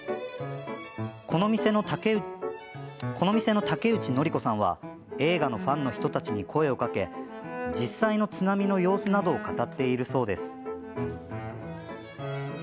この店の竹内範子さんは訪れる映画ファンの人たちに声をかけ実際の津波の様子などを語っているそうです。